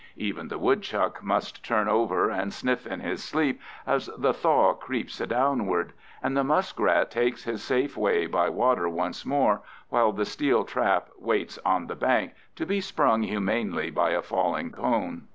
Even the woodchuck must turn over and sniff in his sleep as the thaw creeps downward; and the muskrat takes his safe way by water once more, while the steel trap waits on the bank, to be sprung humanely by a falling cone.